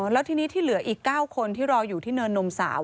แล้วทีนี้ที่เหลืออีก๙คนที่รออยู่ที่เนินนมสาว